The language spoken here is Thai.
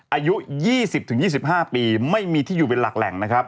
อายุ๒๐๒๕ปีไม่มีที่อยู่เป็นหลักแหล่งนะครับ